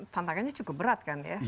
tantangannya cukup berat